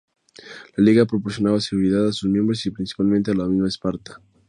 La Liga proporcionaba seguridad a sus miembros y, principalmente, a la misma Esparta.